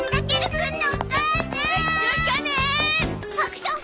アクション仮面！